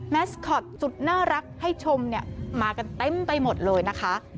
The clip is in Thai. สคอตสุดน่ารักให้ชมเนี่ยมากันเต็มไปหมดเลยนะคะ